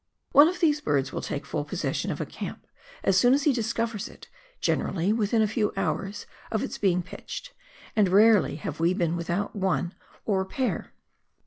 One of these birds will take full possession of a camp as soon as he discovers it, generally within a few hours of its being pitched, and rarely have we been without one or a pair.